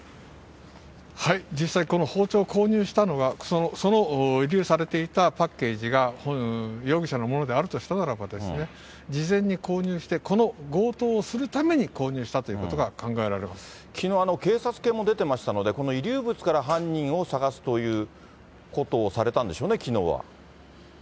実際、この包丁を購入したのが、その遺留されていたパッケージが容疑者のものであるとしたならば、事前に購入して、この強盗をするために購入したということが考えきのう、警察犬も出てましたので、この遺留物から犯人を捜すということをされたんでしょうね、きのうは。